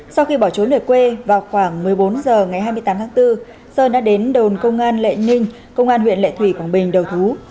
sau khi bỏ trốn về quê vào khoảng một mươi bốn h ngày hai mươi tám tháng bốn sơn đã đến đồn công an lệ ninh công an huyện lệ thủy quảng bình đầu thú